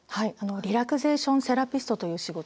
リラクゼーションセラピストという仕事なんです。